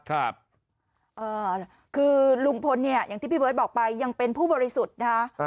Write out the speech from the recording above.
คือลุงพลเนี่ยอย่างที่พี่เบิร์ตบอกไปยังเป็นผู้บริสุทธิ์นะคะ